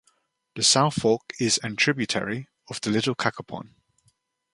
The South Fork is an tributary of the Little Cacapon.